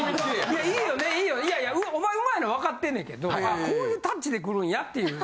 いやいやお前うまいのは分かってんねんけどこういうタッチで来るんやっていう。